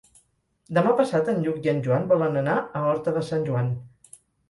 Demà passat en Lluc i en Joan volen anar a Horta de Sant Joan.